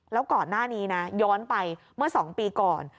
แล้วก่อนหน้านี้นะย้อนไปเมื่อ๒ปีก่อน